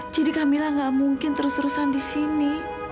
jadi kamila gak mungkin terus terusan di sini